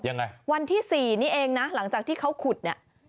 ยังไงวันที่๔นี่เองนะหลังจากที่เขาขุดนี่